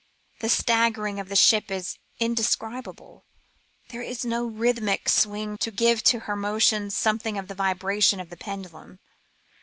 The staggering of the ship is indescribable. There is no rhythmic swing to give to her motions something of the vibrations of the pendulum.